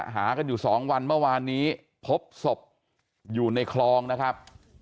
หากันอยู่๒วันเมื่อวานนี้พบศพอยู่ในคลองนะครับ